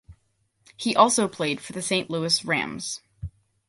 He also played for the Saint Louis Rams.